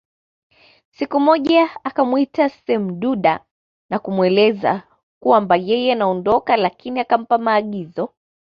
Siku moja akamwita semduda na kumweleza kwamba yeye anaondoka lakini akampa maagizo